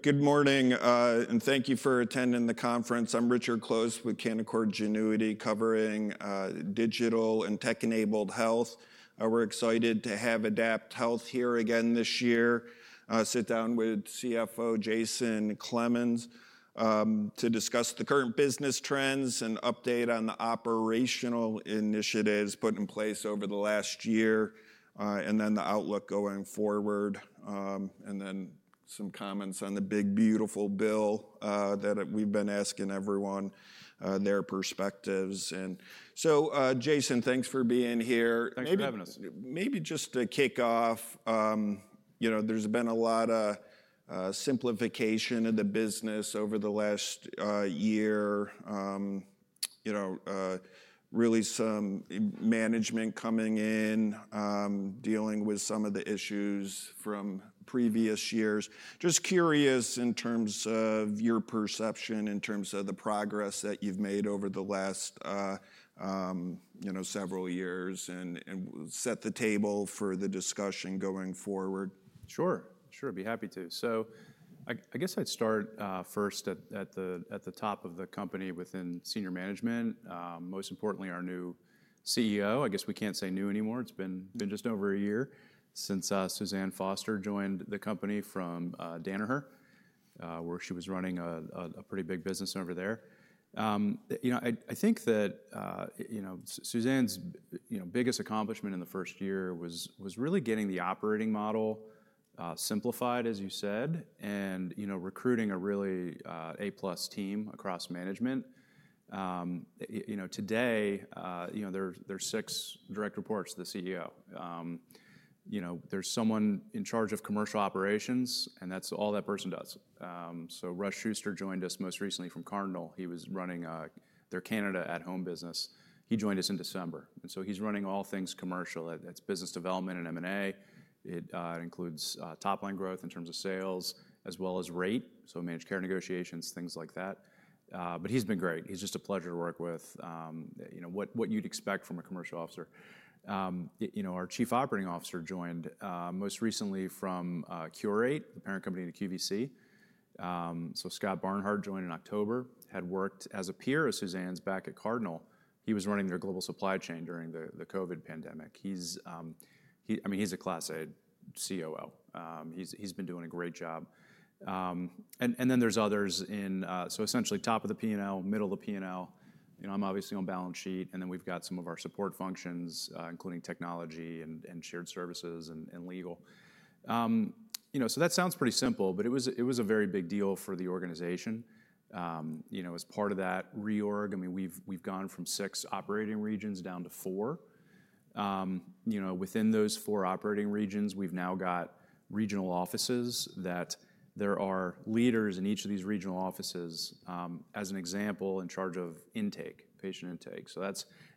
Good morning, and thank you for attending the conference. I'm Richard Close with Canaccord Genuity covering Digital and Tech-Enabled Health. We're excited to have AdaptHealth here again this year. I sit down with CFO Jason Clemens to discuss the current business trends and update on the operational initiatives put in place over the last year, the outlook going forward, and some comments on the big beautiful bill that we've been asking everyone their perspectives. Jason, thanks for being here. Thanks for having us. Maybe just to kick off, there's been a lot of simplification of the business over the last year, really some management coming in, dealing with some of the issues from previous years. Just curious in terms of your perception, in terms of the progress that you've made over the last several years and set the table for the discussion going forward. Sure, sure, be happy to. I guess I'd start, first at the top of the company within senior management. Most importantly, our new CEO. I guess we can't say new anymore. It's been just over a year since Suzanne Foster joined the company from Danaher, where she was running a pretty big business over there. I think that Suzanne's biggest accomplishment in the first year was really getting the operating model simplified, as you said, and recruiting a really A-plus team across management. Today, there's six direct reports to the CEO. There's someone in charge of Commercial Operations, and that's all that person does. Russ Schuster joined us most recently from Cardinal. He was running their Canada at Home business. He joined us in December, and so he's running all things commercial. That's business development and M&A. It includes top line growth in terms of sales, as well as rate, so managed care negotiations, things like that. He's been great. He's just a pleasure to work with, what you'd expect from a Chief Commercial Officer. Our Chief Operating Officer joined most recently from Qurate, the parent company to QVC. Scott Barnhart joined in October, had worked as a peer of Suzanne's back at Cardinal. He was running their global supply chain during the COVID pandemic. He's a class A COO. He's been doing a great job. Then there's others in, so essentially top of the P&L, middle of the P&L. I'm obviously on balance sheet, and then we've got some of our support functions, including Technology and Shared Services and Legal. That sounds pretty simple, but it was a very big deal for the organization. As part of that reorg, we've gone from six operating regions down to four. Within those four operating regions, we've now got regional offices that there are leaders in each of these regional offices, as an example, in charge of intake, patient intake.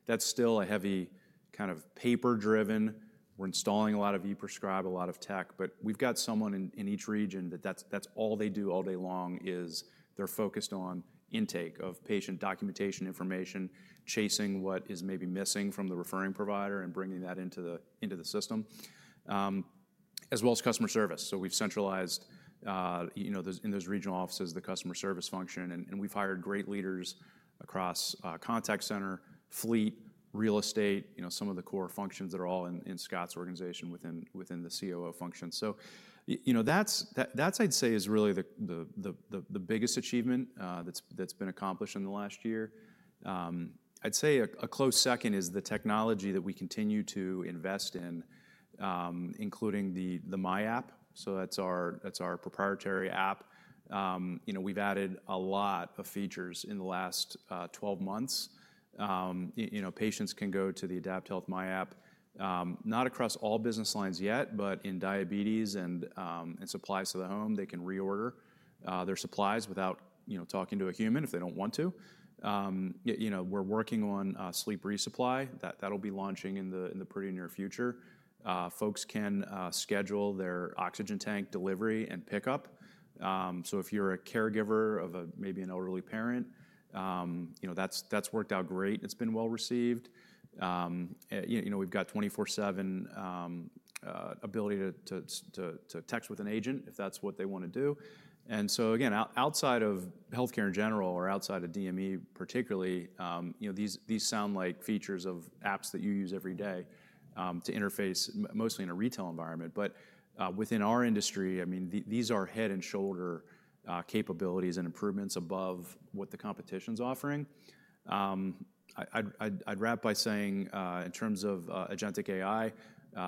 That's still a heavy kind of paper-driven. We're installing a lot of e-prescribe, a lot of tech, but we've got someone in each region that that's all they do all day long is they're focused on intake of patient documentation information, chasing what is maybe missing from the referring provider and bringing that into the system. As well as customer service. We've centralized those in those regional offices, the customer service function, and we've hired great leaders across contact center, fleet, real estate, some of the core functions that are all in Scott's organization within the COO function. That's, I'd say, really the biggest achievement that's been accomplished in the last year. I'd say a close second is the technology that we continue to invest in, including the myAPP. That's our proprietary app. We've added a lot of features in the last 12 months. Patients can go to the AdaptHealth myAPP, not across all business lines yet, but in diabetes and supplies to the home, they can reorder their supplies without talking to a human if they don't want to. We're working on sleep resupply. That'll be launching in the pretty near future. Folks can schedule their oxygen tank delivery and pickup. If you're a caregiver of maybe an elderly parent, that's worked out great. It's been well received. We've got 24/7 ability to text with an agent if that's what they want to do. Outside of healthcare in general or outside of DME particularly, these sound like features of apps that you use every day to interface mostly in a retail environment. Within our industry, these are head and shoulder capabilities and improvements above what the competition's offering. I'd wrap by saying, in terms of agentic AI,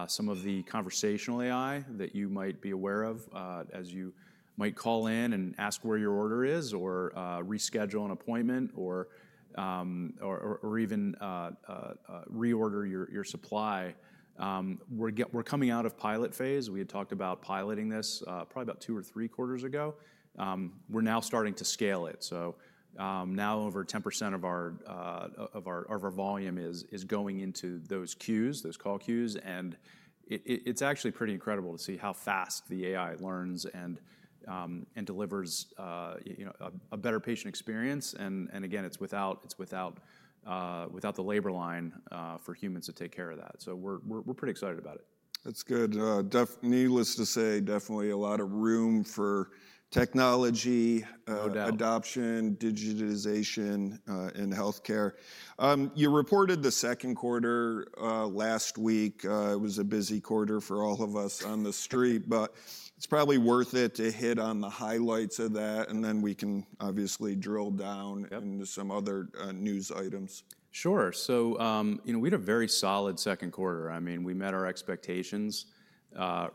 some of the conversational AI that you might be aware of, as you might call in and ask where your order is or reschedule an appointment or even reorder your supply, we're coming out of pilot phase. We had talked about piloting this probably about two or three quarters ago. We're now starting to scale it. Now over 10% of our volume is going into those queues, those call queues, and it's actually pretty incredible to see how fast the AI learns and delivers a better patient experience. It's without the labor line for humans to take care of that. We're pretty excited about it. That's good. Needless to say, definitely a lot of room for technology, adoption, digitization in healthcare. You reported the second quarter last week. It was a busy quarter for all of us on the street, but it's probably worth it to hit on the highlights of that, and then we can obviously drill down into some other news items. Sure. So, you know, we had a very solid second quarter. I mean, we met our expectations,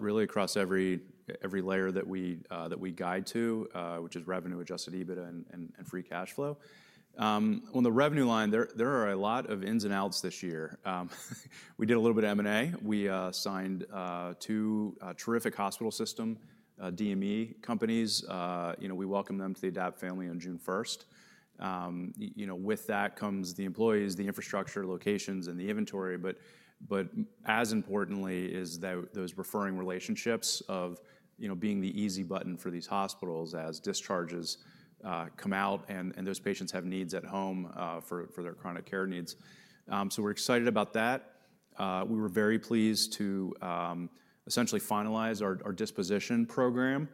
really across every layer that we guide to, which is revenue, adjusted EBITDA, and free cash flow. On the revenue line, there are a lot of ins and outs this year. We did a little bit of M&A. We signed two terrific hospital system DME companies. You know, we welcomed them to the Adapt family on June 1st. With that comes the employees, the infrastructure, locations, and the inventory. As importantly is those referring relationships of being the easy button for these hospitals as discharges come out and those patients have needs at home for their chronic care needs. We're excited about that. We were very pleased to essentially finalize our disposition program.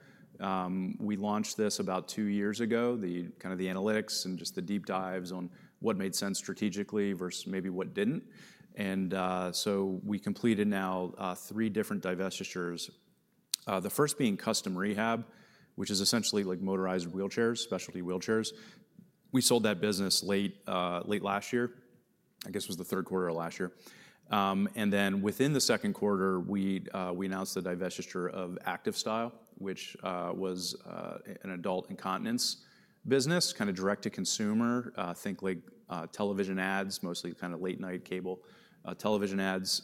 We launched this about two years ago, the analytics and just the deep dives on what made sense strategically versus maybe what didn't. We completed now three different divestitures. The first being custom rehab, which is essentially like motorized wheelchairs, specialty wheelchairs. We sold that business late last year. I guess it was the third quarter of last year. Within the second quarter, we announced the divestiture of ActivStyle, which was an adult incontinence business, kind of direct to consumer. Think like television ads, mostly kind of late-night cable television ads.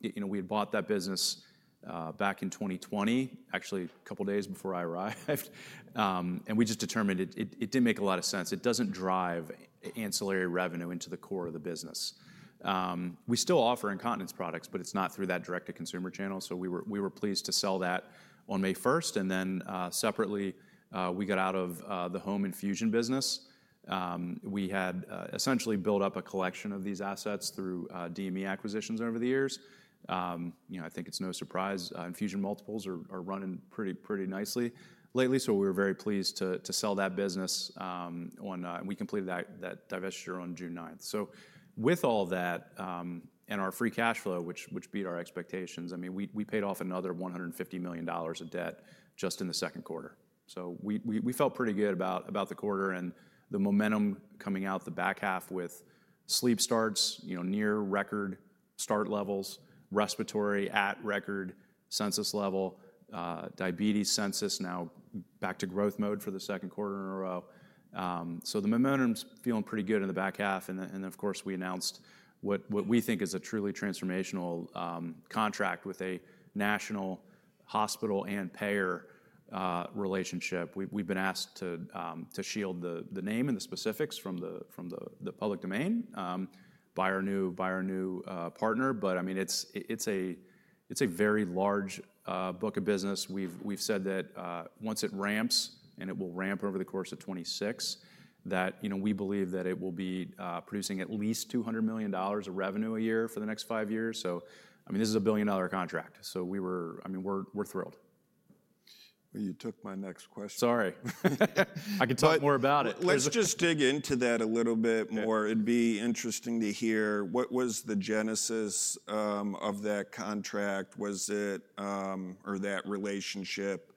You know, we had bought that business back in 2020, actually a couple of days before I arrived. We just determined it didn't make a lot of sense. It doesn't drive ancillary revenue into the core of the business. We still offer incontinence products, but it's not through that direct-to-consumer channel. We were pleased to sell that on May 1st. Separately, we got out of the home infusion business. We had essentially built up a collection of these assets through DME acquisitions over the years. I think it's no surprise, infusion multiples are running pretty nicely lately. We were very pleased to sell that business, and we completed that divestiture on June 9. With all that, and our free cash flow, which beat our expectations, we paid off another $150 million of debt just in the second quarter. We felt pretty good about the quarter and the momentum coming out the back half with sleep starts, you know, near record start levels, respiratory at record census level, diabetes census now back to growth mode for the second quarter in a row. The momentum's feeling pretty good in the back half. Of course, we announced what we think is a truly transformational contract with a national hospital and payer relationship. We've been asked to shield the name and the specifics from the public domain by our new partner. I mean, it's a very large book of business. We've said that, once it ramps and it will ramp over the course of 2026, we believe that it will be producing at least $200 million of revenue a year for the next five years. This is a billion-dollar contract. We were, I mean, we're thrilled. You took my next question. Sorry, I could talk more about it. Let's just dig into that a little bit more. It'd be interesting to hear what was the genesis of that contract. Was it, or that relationship?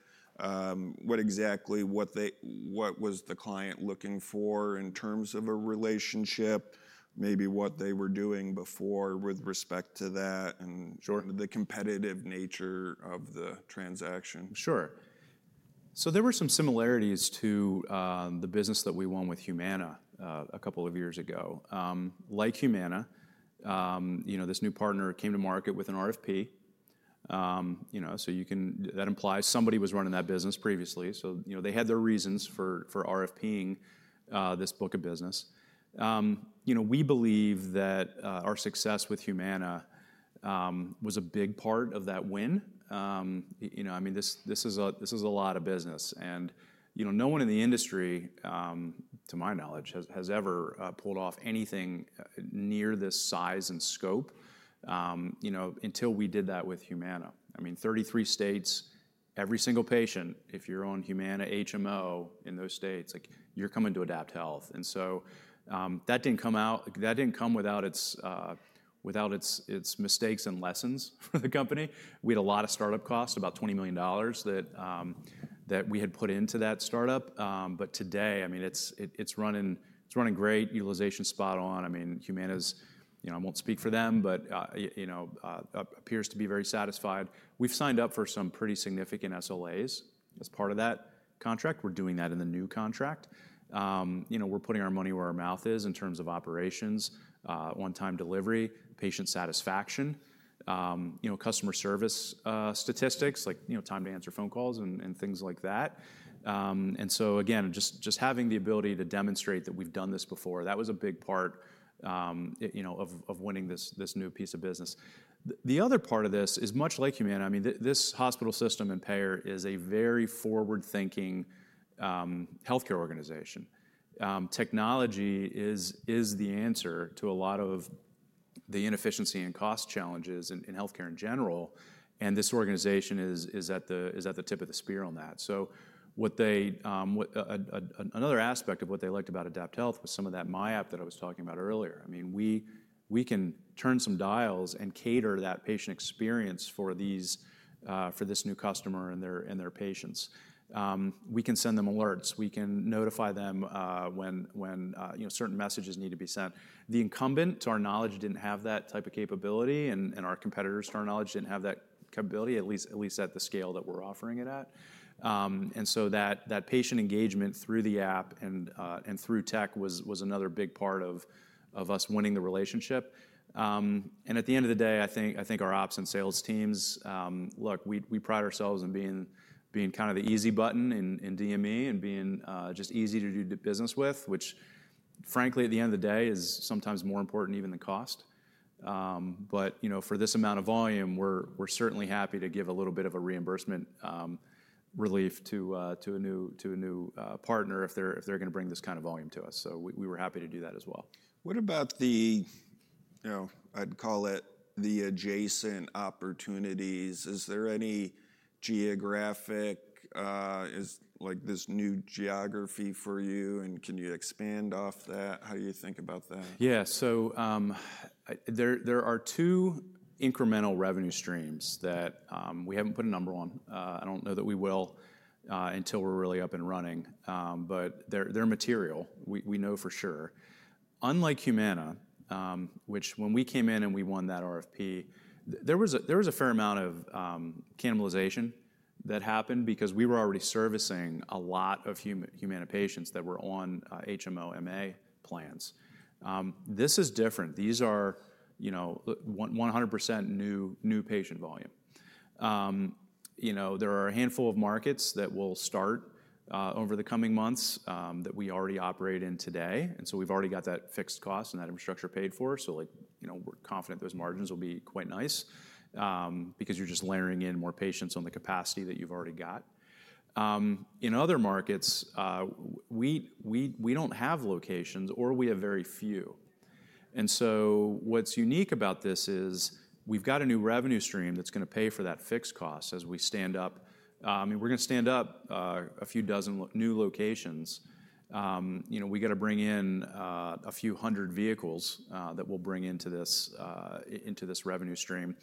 What exactly were they, what was the client looking for in terms of a relationship? Maybe what they were doing before with respect to that and sort of the competitive nature of the transaction. Sure. There were some similarities to the business that we won with Humana a couple of years ago. Like Humana, this new partner came to market with an RFP. That implies somebody was running that business previously. They had their reasons for RFPing this book of business. We believe that our success with Humana was a big part of that win. This is a lot of business, and no one in the industry, to my knowledge, has ever pulled off anything near this size and scope until we did that with Humana. I mean, 33 states, every single patient, if you're on Humana HMO in those states, you're coming to AdaptHealth. That did not come without its mistakes and lessons for the company. We had a lot of startup costs, about $20 million that we had put into that startup. Today, it's running great, utilization spot on. Humana's, I won't speak for them, but appears to be very satisfied. We've signed up for some pretty significant SLAs as part of that contract. We're doing that in the new contract. We're putting our money where our mouth is in terms of operations, on-time delivery, patient satisfaction, customer service, statistics like time to answer phone calls and things like that. Just having the ability to demonstrate that we've done this before, that was a big part of winning this new piece of business. The other part of this is much like Humana. This hospital system and payer is a very forward-thinking healthcare organization. Technology is the answer to a lot of the inefficiency and cost challenges in healthcare in general. This organization is at the tip of the spear on that. Another aspect of what they liked about AdaptHealth was some of that myAPP that I was talking about earlier. We can turn some dials and cater that patient experience for this new customer and their patients. We can send them alerts. We can notify them when certain messages need to be sent. The incumbent, to our knowledge, did not have that type of capability, and our competitors, to our knowledge, did not have that capability, at least at the scale that we're offering it at. That patient engagement through the app and through tech was another big part of us winning the relationship. At the end of the day, I think our ops and sales teams, look, we pride ourselves on being kind of the easy button in DME and being just easy to do business with, which frankly, at the end of the day, is sometimes more important even than cost. For this amount of volume, we're certainly happy to give a little bit of a reimbursement relief to a new partner if they're going to bring this kind of volume to us. We were happy to do that as well. What about the adjacent opportunities? Is there any geographic, is this new geography for you? Can you expand off that? How do you think about that? Yeah. There are two incremental revenue streams that we haven't put a number on. I don't know that we will until we're really up and running, but they're material. We know for sure. Unlike Humana, which when we came in and we won that RFP, there was a fair amount of cannibalization that happened because we were already servicing a lot of Humana patients that were on HMO MA plans. This is different. These are 100% new patient volume. There are a handful of markets that will start over the coming months that we already operate in today, and we've already got that fixed cost and that infrastructure paid for. We're confident those margins will be quite nice because you're just layering in more patients on the capacity that you've already got. In other markets, we don't have locations or we have very few. What's unique about this is we've got a new revenue stream that's going to pay for that fixed cost as we stand up. I mean, we're going to stand up a few dozen new locations. We got to bring in a few hundred vehicles that we'll bring into this revenue stream.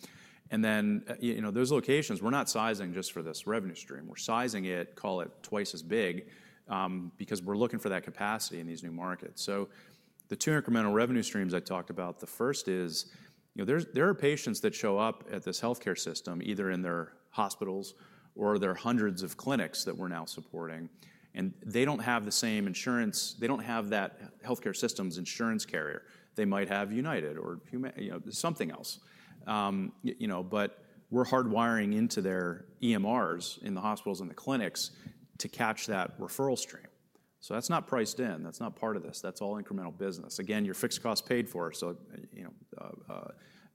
Those locations, we're not sizing just for this revenue stream. We're sizing it, call it twice as big, because we're looking for that capacity in these new markets. The two incremental revenue streams I talked about, the first is, there are patients that show up at this healthcare system, either in their hospitals or their hundreds of clinics that we're now supporting, and they don't have the same insurance. They don't have that healthcare system's insurance carrier. They might have United or something else, but we're hardwiring into their EMRs in the hospitals and the clinics to catch that referral stream. That's not priced in. That's not part of this. That's all incremental business. Again, your fixed cost paid for,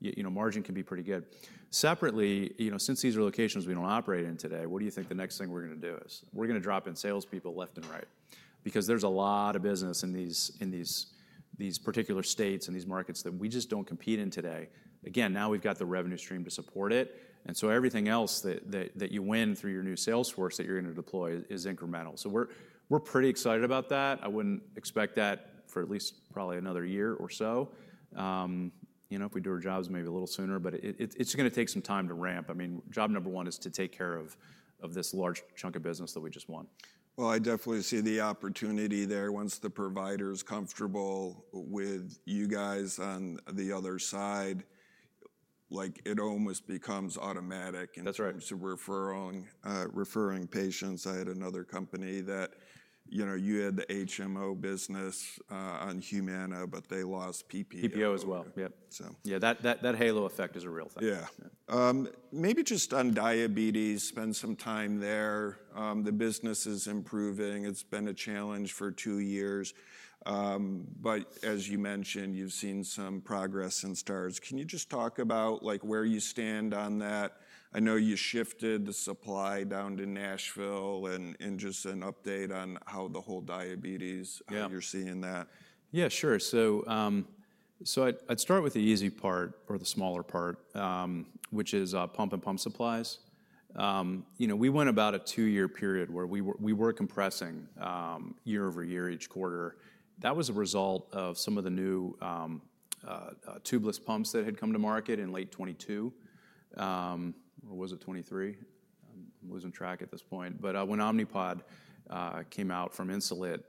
so margin can be pretty good. Separately, since these are locations we don't operate in today, what do you think the next thing we're going to do is? We're going to drop in salespeople left and right because there's a lot of business in these particular states and these markets that we just don't compete in today. Now we've got the revenue stream to support it. Everything else that you win through your new sales force that you're going to deploy is incremental. We're pretty excited about that. I wouldn't expect that for at least probably another year or so. You know, if we do our jobs maybe a little sooner, but it's going to take some time to ramp. Job number one is to take care of this large chunk of business that we just won. I definitely see the opportunity there once the provider is comfortable with you guys on the other side. It almost becomes automatic. That's right. In terms of referring patients, I had another company that, you know, you had the HMO business on Humana, but they lost PPO. PPO as well. Yep. That halo effect is a real thing. Yeah, maybe just on diabetes, spend some time there. The business is improving. It's been a challenge for two years, but as you mentioned, you've seen some progress in [Stars]. Can you just talk about where you stand on that? I know you shifted the supply down to Nashville, and just an update on how the whole diabetes, you're seeing that. Yeah, sure. I'd start with the easy part or the smaller part, which is pump and pump supplies. You know, we went about a two-year period where we were compressing year over year each quarter. That was a result of some of the new tubeless pumps that had come to market in late 2022. What was it, 2023? I wasn't tracking at this point. When Omnipod came out from Insulet,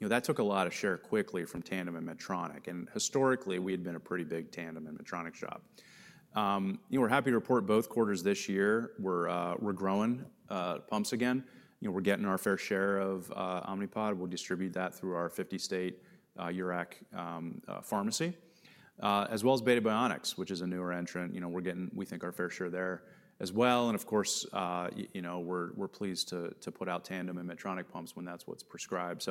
that took a lot of share quickly from Tandem and Medtronic. Historically, we had been a pretty big Tandem and Medtronic shop. We're happy to report both quarters this year, we're growing pumps again. We're getting our fair share of Omnipod. We'll distribute that through our 50-state URAC pharmacy, as well as Beta Bionics, which is a newer entrant. We're getting, we think, our fair share there as well. Of course, we're pleased to put out Tandem and Medtronic pumps when that's what's prescribed.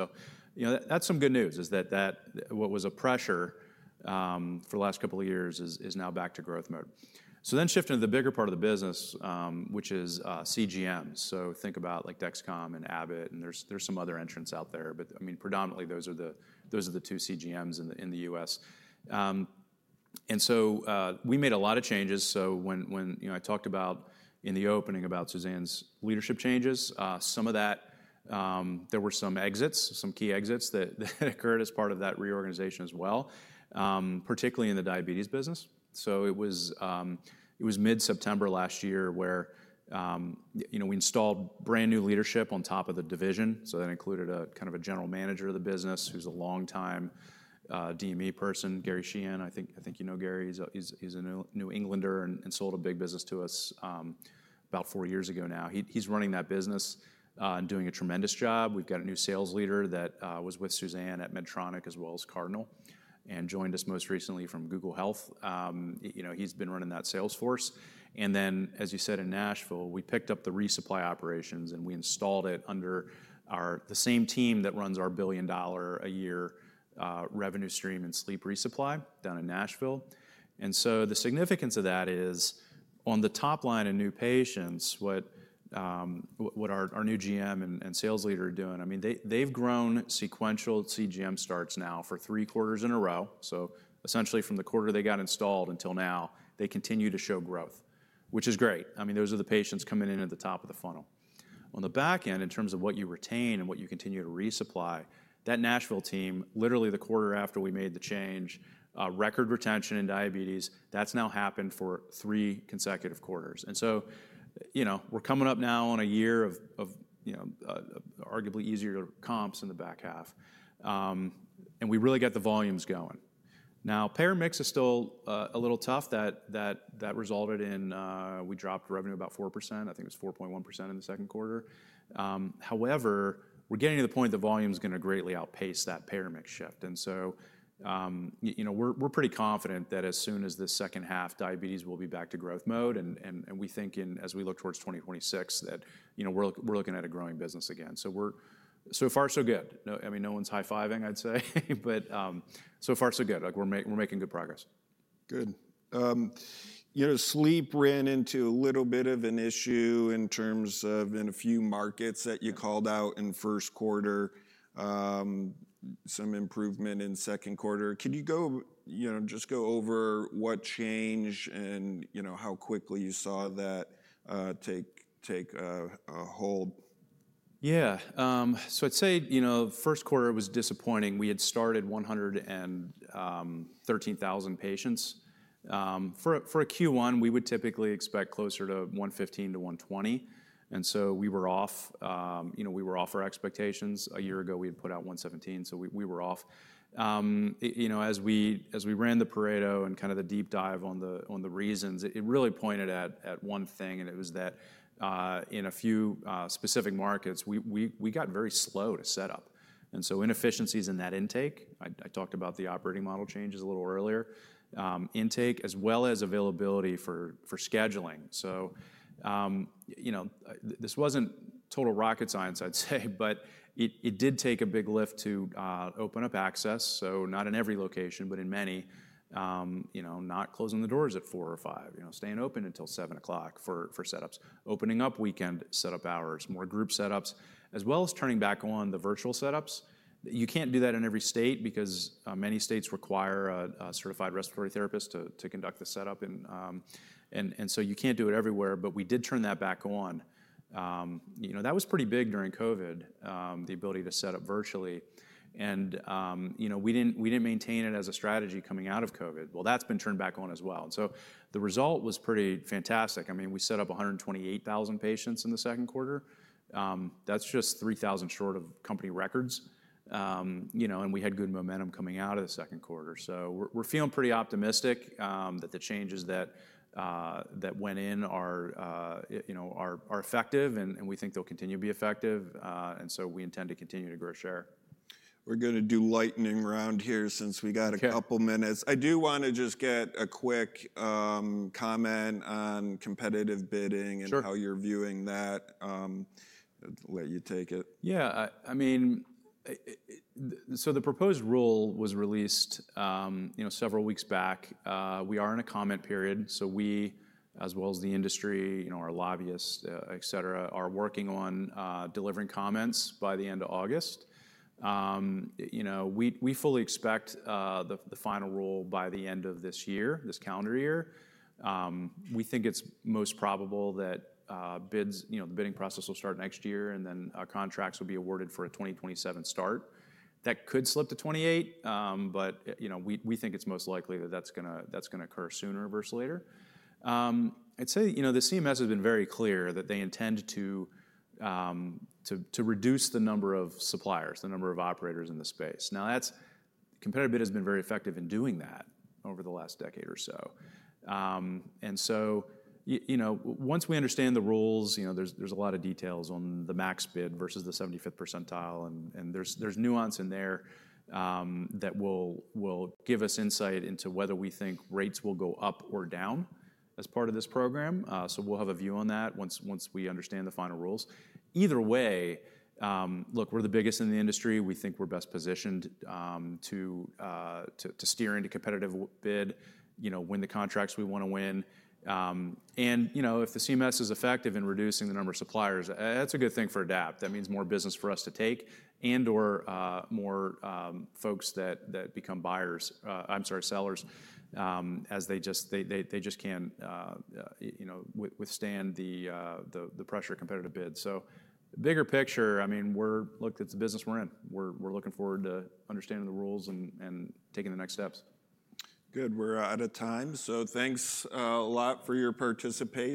That's some good news, that what was a pressure for the last couple of years is now back to growth mode. Shifting to the bigger part of the business, which is CGMs. Think about like Dexcom and Abbott, and there are some other entrants out there. Predominantly, those are the two CGMs in the U.S. We made a lot of changes. When I talked about in the opening about Suzanne's leadership changes, some of that, there were some exits, some key exits that occurred as part of that reorganization as well, particularly in the diabetes business. It was mid-September last year where we installed brand new leadership on top of the division. That included a kind of a General Manager of the business who's a longtime DME person, Gary Sheehan. I think you know Gary. He's a New Englander and sold a big business to us about four years ago now. He's running that business and doing a tremendous job. We've got a new sales leader that was with Suzanne at Medtronic as well as Cardinal and joined us most recently from Google Health. He's been running that sales force. As you said, in Nashville, we picked up the resupply operations and we installed it under the same team that runs our billion-dollar-a-year revenue stream in sleep resupply down in Nashville. The significance of that is on the top line of new patients, what our new GM and sales leader are doing. They've grown sequential CGM starts now for three quarters in a row. Essentially, from the quarter they got installed until now, they continue to show growth, which is great. Those are the patients coming in at the top of the funnel. On the back end, in terms of what you retain and what you continue to resupply, that Nashville team, literally the quarter after we made the change, record retention in diabetes, that's now happened for three consecutive quarters. We're coming up now on a year of, arguably, easier comps in the back half, and we really got the volumes going. Now, payer mix is still a little tough. That resulted in, we dropped revenue about 4%. I think it was 4.1% in the second quarter. However, we're getting to the point the volume is going to greatly outpace that payer mix shift. We're pretty confident that as soon as the second half, diabetes will be back to growth mode. We think as we look towards 2026 that we're looking at a growing business again. So far so good. No one's high-fiving, I'd say, but so far so good. We're making good progress. Good. You know, sleep ran into a little bit of an issue in terms of in a few markets that you called out in first quarter, some improvement in second quarter. Can you go, you know, just go over what changed and, you know, how quickly you saw that take a hold? Yeah. I'd say, you know, first quarter was disappointing. We had started 113,000 patients. For a Q1, we would typically expect closer to 115,000-120,000 patients. We were off our expectations. A year ago, we had put out 117,000 patients. We were off. As we ran the Pareto and kind of the deep dive on the reasons, it really pointed at one thing, and it was that in a few specific markets, we got very slow to set up. Inefficiencies in that intake—I talked about the operating model changes a little earlier—intake as well as availability for scheduling. This wasn't total rocket science, I'd say, but it did take a big lift to open up access. Not in every location, but in many, not closing the doors at 4:00 or 5:00, staying open until 7:00 P.M. for setups, opening up weekend setup hours, more group setups, as well as turning back on the virtual setups. You can't do that in every state because many states require a certified respiratory therapist to conduct the setup. You can't do it everywhere, but we did turn that back on. That was pretty big during COVID, the ability to set up virtually. We didn't maintain it as a strategy coming out of COVID. That’s been turned back on as well. The result was pretty fantastic. We set up 128,000 patients in the second quarter. That's just 3,000 patients short of company records. We had good momentum coming out of the second quarter. We're feeling pretty optimistic that the changes that went in are effective, and we think they'll continue to be effective. We intend to continue to grow share. We're going to do lightning round here since we got a couple of minutes. I do want to just get a quick comment on competitive bidding and how you're viewing that. Let you take it. Yeah. I mean, so the proposed rule was released several weeks back. We are in a comment period. We, as well as the industry, our lobbyists, et cetera, are working on delivering comments by the end of August. We fully expect the final rule by the end of this year, this calendar year. We think it's most probable that bids, the bidding process, will start next year, and then contracts would be awarded for a 2027 start. That could slip to 2028, but we think it's most likely that that's going to occur sooner versus later. I'd say the CMS has been very clear that they intend to reduce the number of suppliers, the number of operators in the space. Now, CMS competitive bidding has been very effective in doing that over the last decade or so. Once we understand the rules, there's a lot of details on the max bid versus the 75th percentile, and there's nuance in there that will give us insight into whether we think rates will go up or down as part of this program. We'll have a view on that once we understand the final rules. Either way, look, we're the biggest in the industry. We think we're best positioned to steer into competitive bidding, win the contracts we want to win. If the CMS is effective in reducing the number of suppliers, that's a good thing for [DAP]. That means more business for us to take and/or more folks that become sellers, as they just can't withstand the pressure of competitive bidding. Bigger picture, it's a business we're in. We're looking forward to understanding the rules and taking the next steps. Good. We're out of time. Thanks a lot for your participation.